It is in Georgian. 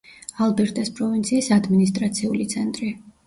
ალბერტას პროვინციის ადმინისტრაციული ცენტრი.